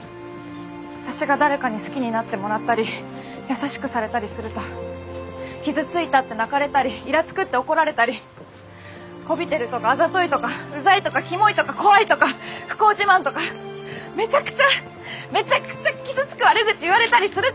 私が誰かに好きになってもらったり優しくされたりすると傷ついたって泣かれたりイラつくって怒られたりこびてるとかあざといとかうざいとかキモいとか怖いとか不幸自慢とかめちゃくちゃめちゃくちゃ傷つく悪口言われたりするからです！